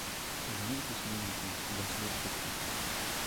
З днём пісьменніка, даследчыцы!